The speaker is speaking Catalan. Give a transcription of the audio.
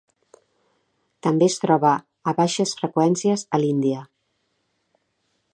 També es troba a baixes freqüències a l'Índia.